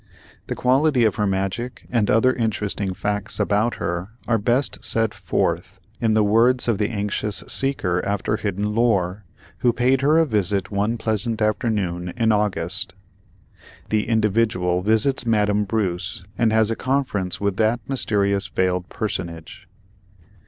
The quality of her magic and other interesting facts about her are best set forth in the words of the anxious seeker after hidden lore, who paid her a visit one pleasant afternoon in August. The "Individual" visits Madame Bruce and has a Conference with that Mysterious Veiled Personage.